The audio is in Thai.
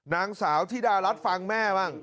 นางสาวธิดารัฐฟังแม่บ้าง